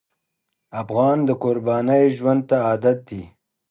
افغان د قربانۍ ژوند ته عادت دی.